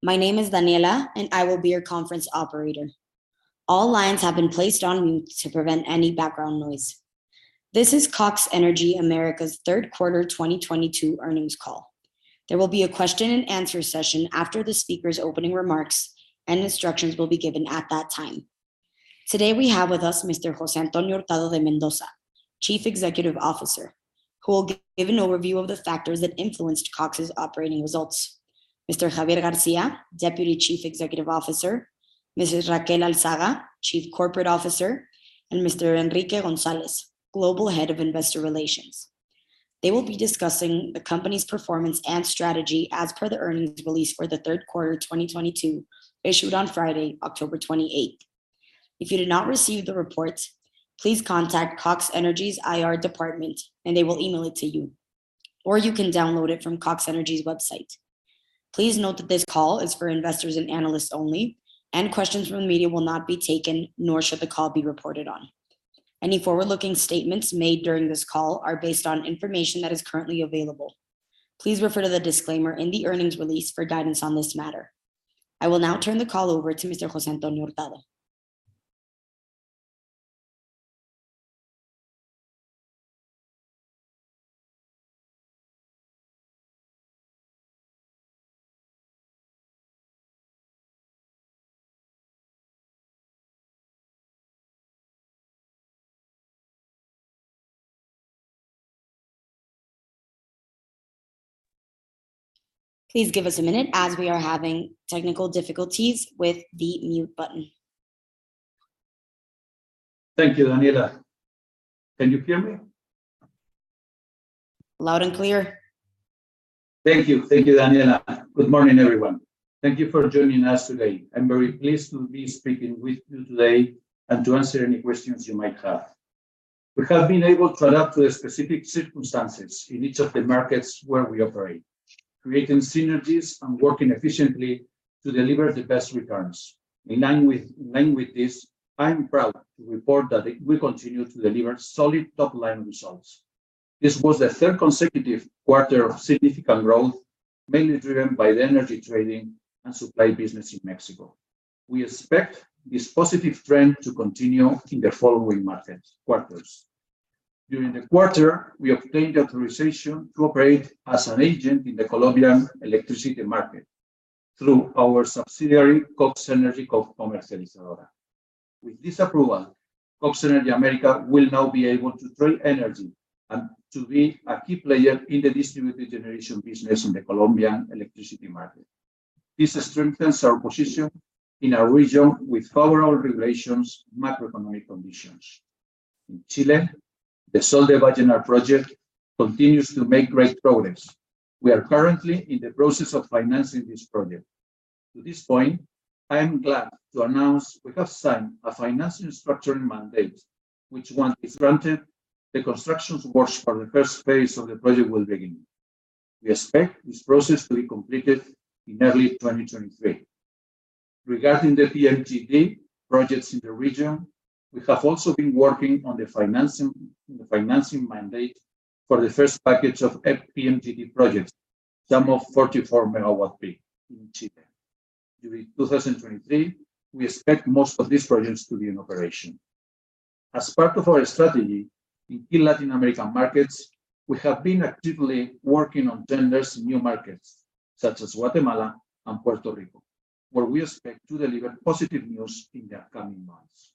My name is Daniella, and I will be your conference operator. All lines have been placed on mute to prevent any background noise. This is Cox Energy América's third quarter 2022 earnings call. There will be a question and answer session after the speaker's opening remarks and instructions will be given at that time. Today, we have with us Mr. José Antonio Hurtado de Mendoza García, Chief Executive Officer, who will give an overview of the factors that influenced Cox's operating results. Mr. Javier García Arenas, Deputy Chief Executive Officer, Mrs. Raquel Alzaga, Chief Corporate Officer, and Mr. Enrique González Casillas, Global Head of Investor Relations. They will be discussing the company's performance and strategy as per the earnings release for the third quarter of 2022, issued on Friday, October 28. If you did not receive the report, please contact Cox Energy's IR Department and they will email it to you, or you can download it from Cox Energy's website. Please note that this call is for investors and analysts only, and questions from the media will not be taken, nor should the call be reported on. Any forward-looking statements made during this call are based on information that is currently available. Please refer to the disclaimer in the earnings release for guidance on this matter. I will now turn the call over to Mr. José Antonio Hurtado. Please give us a minute as we are having technical difficulties with the mute button. Thank you, Daniella. Can you hear me? Loud and clear. Thank you. Thank you, Daniella. Good morning, everyone. Thank you for joining us today. I'm very pleased to be speaking with you today and to answer any questions you might have. We have been able to adapt to the specific circumstances in each of the markets where we operate, creating synergies and working efficiently to deliver the best returns. In line with this, I am proud to report that we continue to deliver solid top-line results. This was the third consecutive quarter of significant growth, mainly driven by the energy trading and supply business in Mexico. We expect this positive trend to continue in the following market quarters. During the quarter, we obtained authorization to operate as an agent in the Colombian electricity market through our subsidiary, Cox Energy Comercializadora. With this approval, Cox Energy América will now be able to trade energy and to be a key player in the distributed generation business in the Colombian electricity market. This strengthens our position in a region with favorable regulations, macroeconomic conditions. In Chile, the Sol de Vallenar project continues to make great progress. We are currently in the process of financing this project. To this point, I am glad to announce we have signed a financing structuring mandate, which once it's granted, the construction work for the first phase of the project will begin. We expect this process to be completed in early 2023. Regarding the PMGD projects in the region, we have also been working on the financing mandate for the first package of PMGD projects, a sum of 44 MWp in Chile. During 2023, we expect most of these projects to be in operation. As part of our strategy in key Latin American markets, we have been actively working on tenders in new markets, such as Guatemala and Puerto Rico, where we expect to deliver positive news in the upcoming months.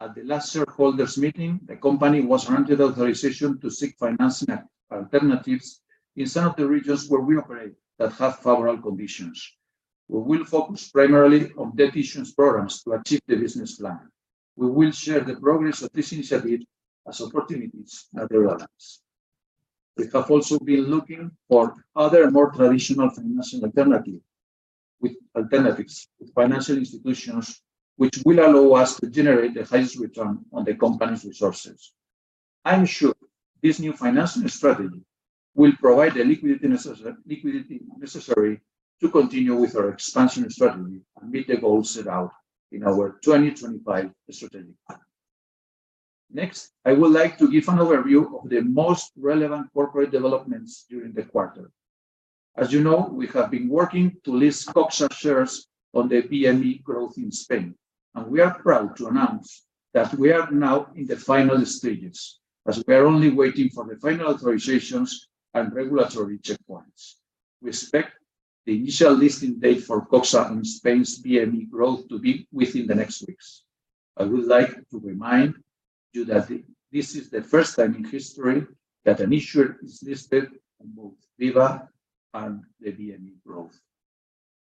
At the last shareholders meeting, the company was granted authorization to seek financing alternatives in some of the regions where we operate that have favorable conditions. We will focus primarily on debt issuance programs to achieve the business plan. We will share the progress of this initiative as opportunities arise. We have also been looking for other more traditional financing alternatives with financial institutions, which will allow us to generate the highest return on the company's resources. I am sure this new financing strategy will provide the liquidity necessary to continue with our expansion strategy and meet the goals set out in our 2025 strategic plan. Next, I would like to give an overview of the most relevant corporate developments during the quarter. As you know, we have been working to list COXA shares on the BME Growth in Spain, and we are proud to announce that we are now in the final stages, as we are only waiting for the final authorizations and regulatory checkpoints. We expect the initial listing date for COXA on Spain's BME Growth to be within the next weeks. I would like to remind you that this is the first time in history that an issuer is listed on both BIVA and the BME Growth.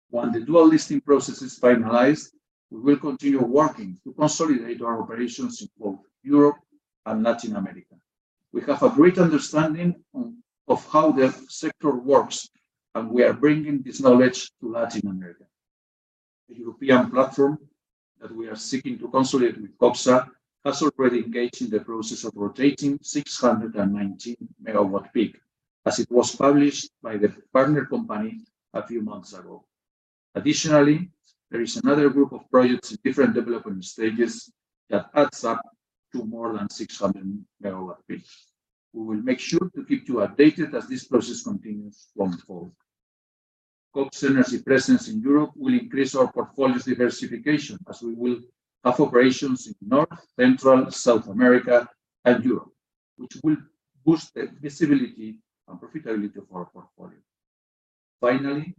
When the dual listing process is finalized, we will continue working to consolidate our operations in both Europe and Latin America. We have a great understanding of how the sector works, and we are bringing this knowledge to Latin America. The European platform that we are seeking to consolidate with Coxa has already engaged in the process of operating 619 MW peak, as it was published by the partner company a few months ago. Additionally, there is another group of projects in different development stages that adds up to more than 600 MW peak. We will make sure to keep you updated as this process continues to unfold. Cox Energy presence in Europe will increase our portfolio's diversification as we will have operations in North, Central, South America, and Europe, which will boost the visibility and profitability of our portfolio. Finally,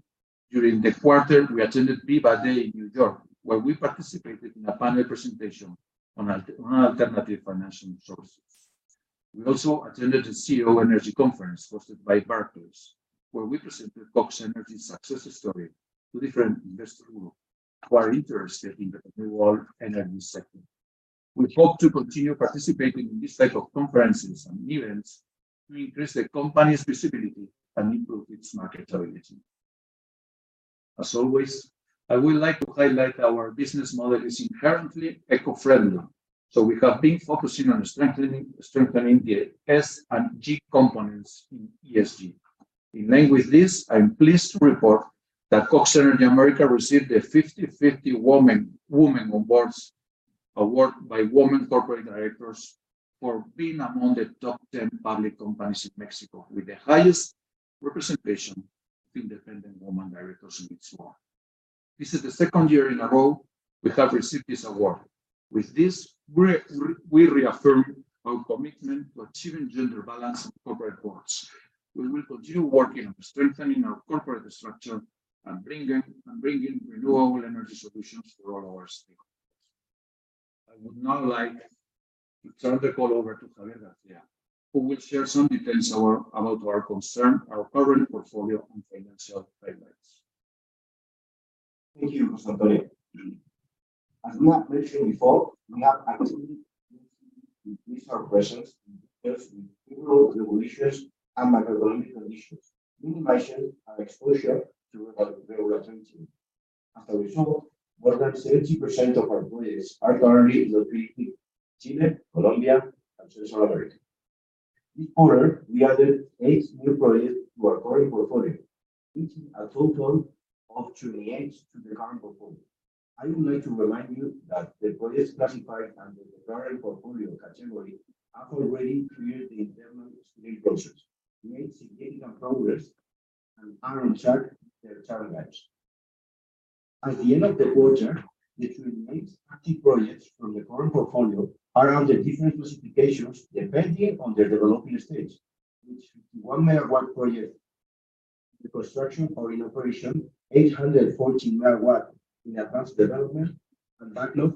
during the quarter, we attended BIVA Day in New York, where we participated in a panel presentation on alternative financing sources. We also attended the CEO Energy Conference hosted by Barclays, where we presented Cox Energy América's success story to different investor group who are interested in the renewable energy sector. We hope to continue participating in this type of conferences and events to increase the company's visibility and improve its marketability. As always, I would like to highlight our business model is inherently eco-friendly, so we have been focusing on strengthening the S and G components in ESG. In line with this, I'm pleased to report that Cox Energy América received a 50/50 women on boards award by Women Corporate Directors for being among the top 10 public companies in Mexico with the highest representation of independent women directors in each one. This is the second year in a row we have received this award. With this, we're reaffirm our commitment to achieving gender balance in corporate boards. We will continue working on strengthening our corporate structure and bringing renewable energy solutions to all our stakeholders. I would now like to turn the call over to Javier García, who will share some details about our current portfolio and financial highlights. Thank you, José Antonio. As we have mentioned before, we have actively increased our presence in countries with favorable regulations and macroeconomic conditions, minimizing our exposure to regulatory uncertainty. As a result, more than 70% of our projects are currently located in Chile, Colombia, and Central America. This quarter, we added 8 new projects to our current portfolio, reaching a total of 28 to the current portfolio. I would like to remind you that the projects classified under the current portfolio category have already cleared the internal screening process, made significant progress, and are on track with their timelines. At the end of the quarter, the 28 active projects from the current portfolio are under different classifications depending on their development stage, with 51 MW projects under construction or in operation, 814 MW in advanced development and backlog,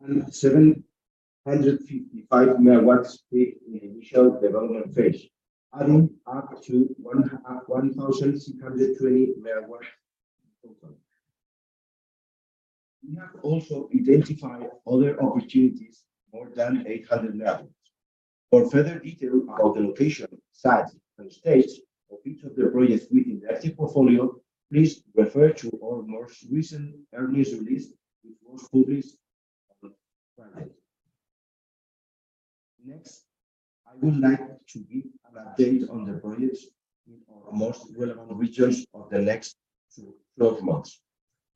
and 755 MW peak in initial development phase, adding up to 1,620 MW in total. We have also identified other opportunities, more than 800 MW. For further detail about the location, size, and stage of each of the projects within the active portfolio, please refer to our most recent earnings release, which includes. Next, I would like to give an update on the projects in our most relevant regions of the next twelve months.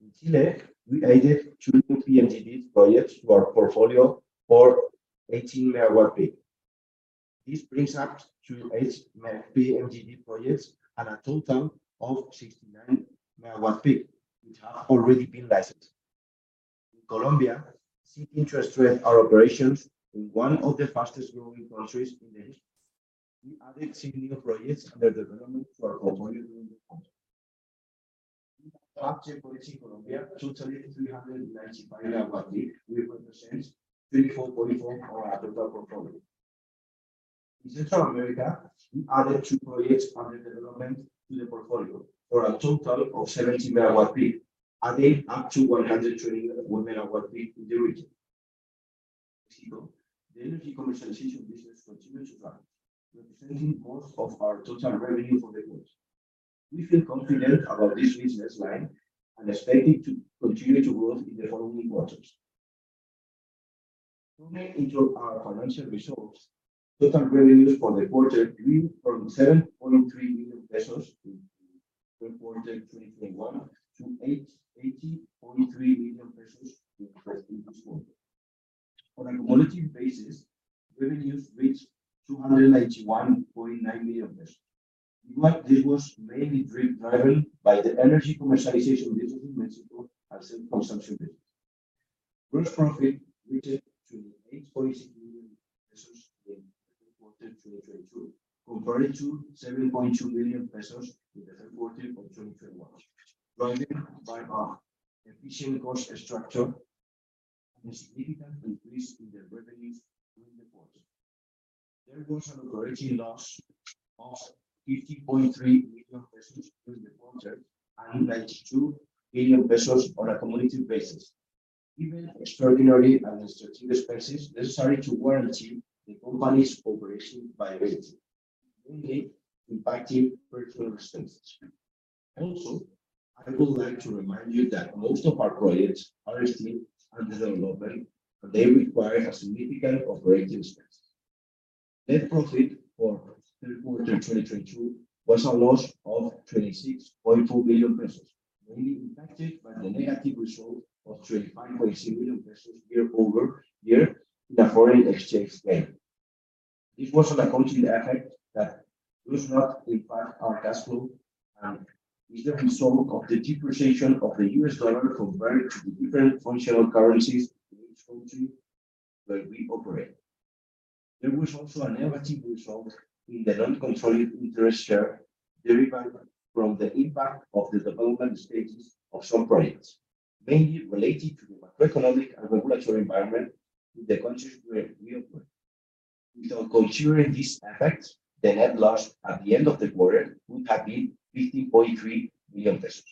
In Chile, we added 2 new PMGD projects to our portfolio for 18 MW peak. This brings up to 8 PMGD projects and a total of 69 MWp, which have already been licensed. In Colombia, seeing interest to help our operations in one of the fastest growing countries in the region, we added significant projects under development to our portfolio during the quarter. We have 10 projects in Colombia, totaling 395 MWp, which represents 34.4% of our total portfolio. In Central America, we added 2 projects under development to the portfolio, for a total of 17 MWp, adding up to 121 MWp in the region. In Mexico, the energy commercialization business continued to rise, representing most of our total revenue for the quarter. We feel confident about this business line and expect it to continue to grow in the following quarters. Turning into our financial results, total revenues for the quarter grew from 7.3 million pesos in the third quarter 2021 to MXN 80.3 million in the present quarter. On a cumulative basis, revenues reached 281.9 million pesos. This was mainly driven by the energy commercialization business in Mexico and self-consumption business. Gross profit reached to 8.6 million pesos in the third quarter 2022, compared to 7.2 million pesos in the third quarter of 2021, driven by our efficient cost structure and a significant increase in the revenues during the quarter. There was an operating loss of 50.3 million pesos during the quarter and 92 million pesos on a cumulative basis, given extraordinary and strategic expenses necessary to guarantee the company's operation viability, mainly impacting various expenses. Also, I would like to remind you that most of our projects are still under development, and they require a significant operating expense. Net profit for third quarter 2022 was a loss of 26.2 million pesos, mainly impacted by the negative result of 25.6 million pesos year-over-year in the foreign exchange gain. This was an accounting effect that does not impact our cash flow and is the result of the depreciation of the US dollar compared to the different functional currencies in each country where we operate. There was also a negative result in the non-controlling interest share derived from the impact of the development stages of some projects, mainly related to the macroeconomic and regulatory environment in the countries where we operate. Without considering these effects, the net loss at the end of the quarter would have been 15.3 million pesos.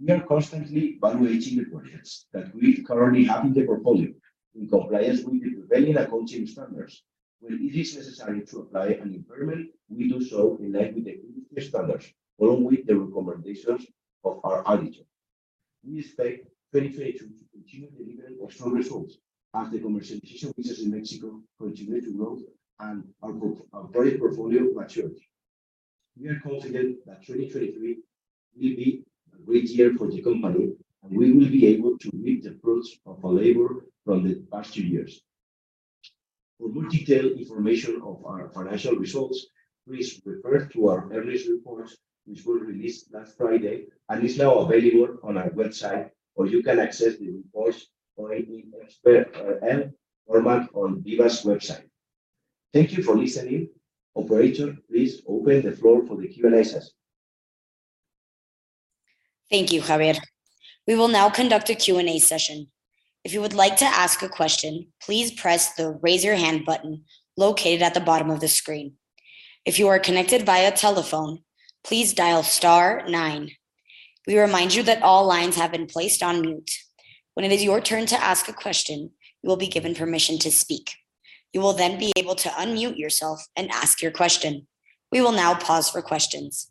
We are constantly evaluating the projects that we currently have in the portfolio in compliance with the prevailing accounting standards. When it is necessary to apply an impairment, we do so in line with the industry standards, along with the recommendations of our auditor. We expect 2022 to continue delivering strong results as the commercialization business in Mexico continue to grow and our project portfolio matures. We are confident that 2023 will be a great year for the company, and we will be able to reap the fruits of our labor from the past two years. For more detailed information of our financial results, please refer to our earnings reports, which were released last Friday and is now available on our website, or you can access the reports in Excel or PDF format on BIVA's website. Thank you for listening. Operator, please open the floor for the Q&A session. Thank you, Javier. We will now conduct a Q&A session. If you would like to ask a question, please press the Raise Your Hand button located at the bottom of the screen. If you are connected via telephone, please dial star nine. We remind you that all lines have been placed on mute. When it is your turn to ask a question, you will be given permission to speak. You will then be able to unmute yourself and ask your question. We will now pause for questions.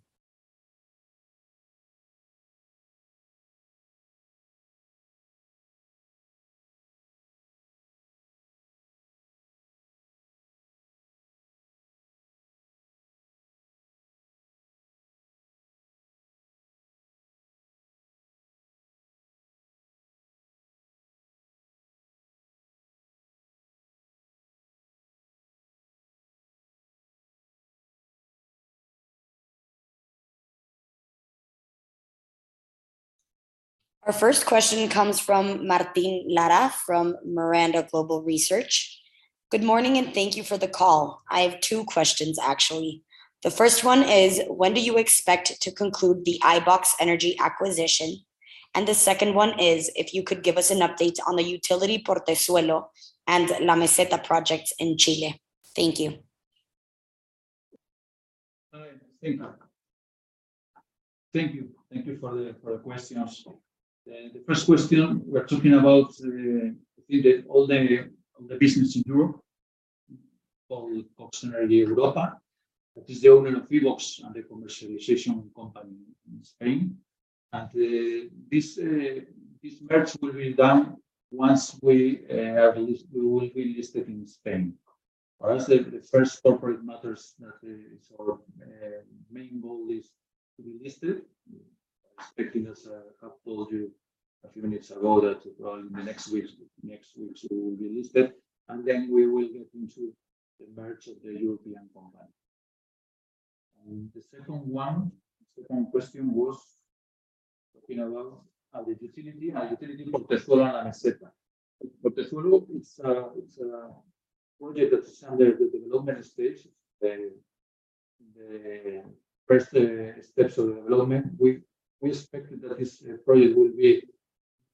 Our first question comes from Martín Lara from Miranda Global Research. Good morning, and thank you for the call. I have two questions, actually. The first one is, when do you expect to conclude the Ibox Energy acquisition? The second one is, if you could give us an update on the utility Portezuelo and La Meseta projects in Chile. Thank you. All right. Thank you for the questions. The first question, we're talking about, I think, all the business in Europe, called Cox Energy Europa, which is the owner of Ibox Energy and the commercialization company in Spain. This merger will be done once we will be listed in Spain. Perhaps the first corporate matter that is our main goal is to be listed. Expecting, as I have told you a few minutes ago, that in the next weeks we will be listed, and then we will get into the merger of the European company. The second question was talking about the utility, our utility Portezuelo and La Meseta. Portezuelo, it's a project that's under the development stage. The first steps of development. We expect that this project will be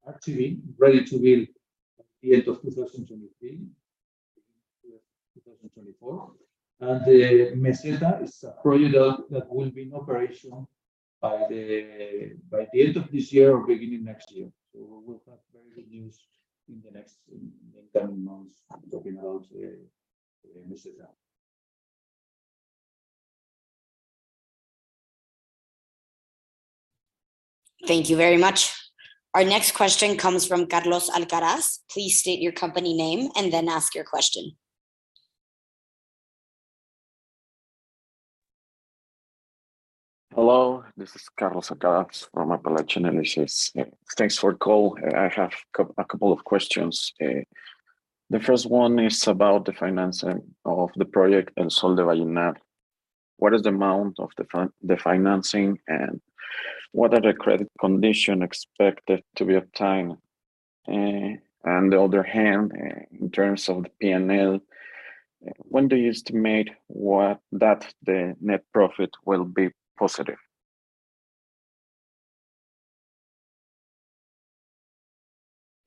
actually ready to build at the end of 2023-2024. The Meseta is a project that will be in operation by the end of this year or beginning next year. We'll have very good news in the next 10 months talking about the Meseta. Thank you very much. Our next question comes from Carlos Alcaraz. Please state your company name and then ask your question. Hello, this is Carlos Alcaraz from Apalache Análisis. Thanks for call. I have a couple of questions. The first one is about the financing of the project El Sol de Vallenar. What is the amount of the financing, and what are the credit condition expected to be obtained? On the other hand, in terms of the P&L, when do you estimate that the net profit will be positive?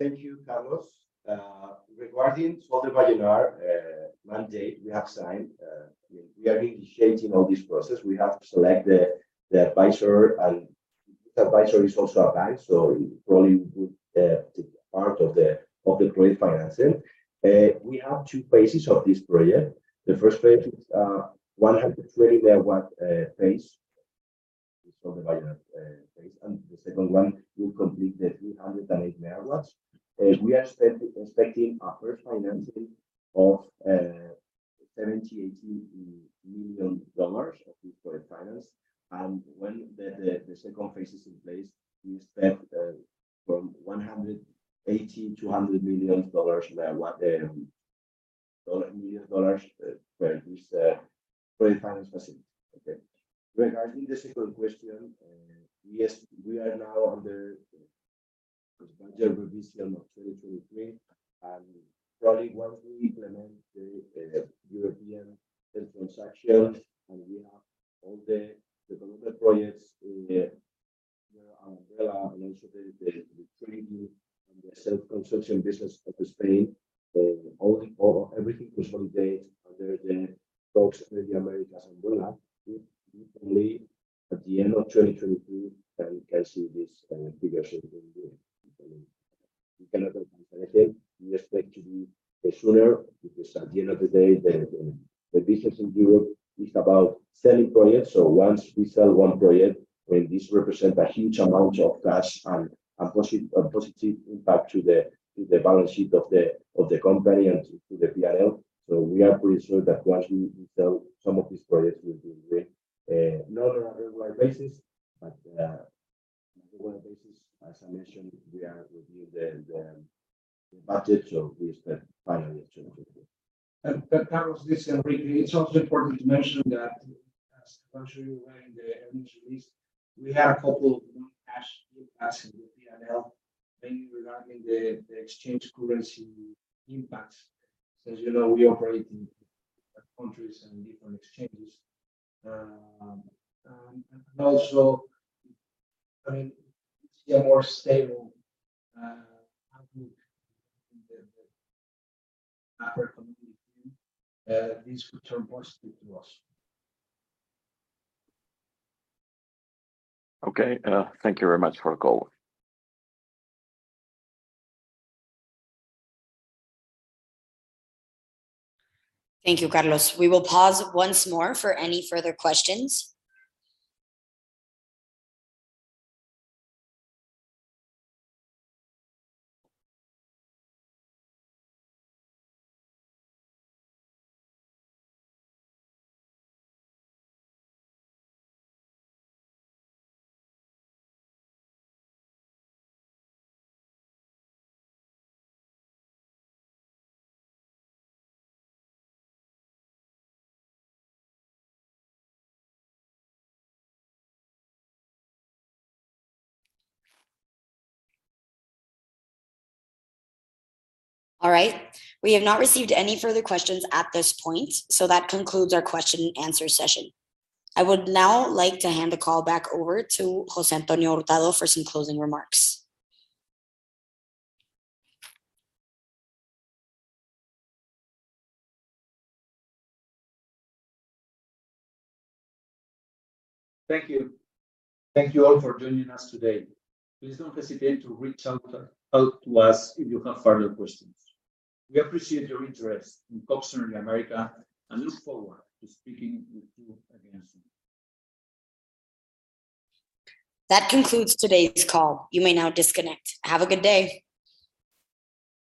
Thank you, Carlos. Regarding El Sol de Vallenar mandate, we have signed, I mean, we are negotiating all this process. We have to select the advisor, and the advisor is also a bank, so it probably would take part of the project financing. We have two phases of this project. The first phase is 121 MW phase, and the second one will complete the 308 MW. We are expecting our first financing of $70-$80 million for the finance. When the second phase is in place, we expect from $180-$200 million for the finance facility. Okay. Regarding the second question, yes, we are now under budget revision of 2023, and probably once we implement the European transaction, and we have all the development projects under our umbrella, and also the training and the self-construction business of Spain, then all everything consolidate under the Cox Energy América umbrella. We only at the end of 2023, then we can see this figure. Okay, thank you very much for the call. Thank you, Carlos. We will pause once more for any further questions. All right. We have not received any further questions at this point, so that concludes our question and answer session. I would now like to hand the call back over to José Antonio Hurtado for some closing remarks. Thank you. Thank you all for joining us today. Please don't hesitate to reach out to us if you have further questions. We appreciate your interest in Cox Energy América, and look forward to speaking with you again soon. That concludes today's call. You may now disconnect. Have a good day.